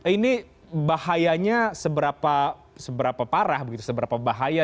ini bahayanya seberapa parah begitu seberapa bahaya